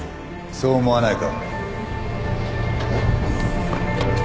そう思わないか？